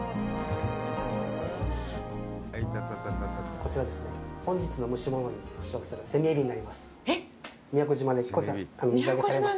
こちらですね、本日の蒸し物に使用するセミエビになります。